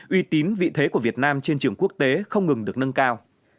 uy tín vị thế của việt nam trên trường quốc tế không ngừng được nâng cao